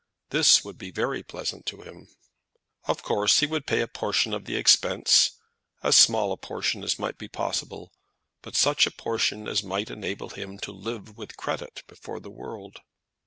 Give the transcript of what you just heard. This would be very pleasant to him. Of course he would pay a portion of the expense, as small a portion as might be possible, but such a portion as might enable him to live with credit before the world.